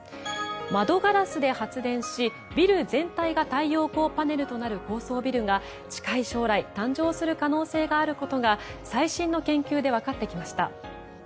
窓ガラスで発電し、ビル全体が太陽光パネルとなる高層ビルが近い将来誕生する可能性があることが最新の研究でわかってきました。